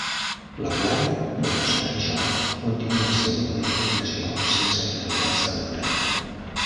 L'aquari, no obstant això, continua sent una organització sense finalitats de lucre.